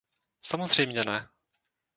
Samozřejmě ne.